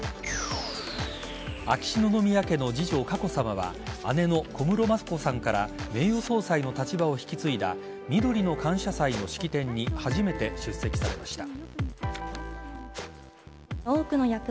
秋篠宮家の次女・佳子さまは姉の小室眞子さんから名誉総裁の立場を引き継いだみどりの感謝祭の式典に初めて出席されました。